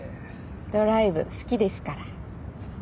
ドライブ好きですから。